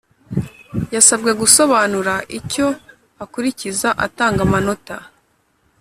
Yasabwe gusobanura icyo akurikiza atanga amanota